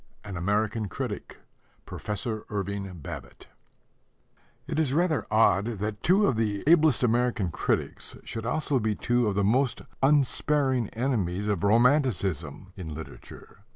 AN AMERICAN CRITIC: PROFESSOR IRVING BABBITT It is rather odd that two of the ablest American critics should also be two of the most unsparing enemies of romanticism in literature.